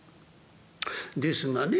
ですがね